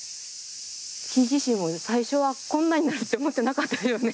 木自身も最初はこんなになるって思ってなかったよね